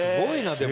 でも。